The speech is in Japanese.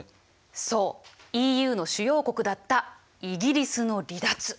そうＥＵの主要国だったイギリスの離脱。